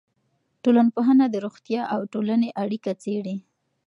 ټولنپوهنه د روغتیا او ټولنې اړیکه څېړي.